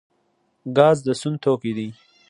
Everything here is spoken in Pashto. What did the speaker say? ګاز د سون توکی دی